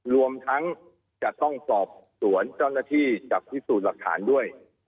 รวมทั้งจะต้องสอบสวนเจ้าหน้าที่จากพิสูจน์หลักฐานด้วย